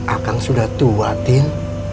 akang sudah tua tin